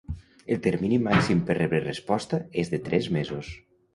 El termini màxim per rebre resposta és de tres mesos.